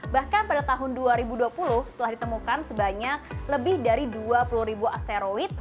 bahkan pada tahun dua ribu dua puluh telah ditemukan sebanyak lebih dari dua puluh ribu asteroid